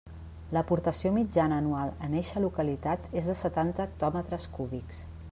L'aportació mitjana anual en eixa localitat és de setanta hectòmetres cúbics.